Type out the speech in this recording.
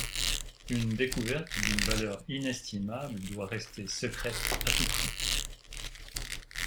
Une découverte d'une valeur inestimable doit rester secrète à tout prix.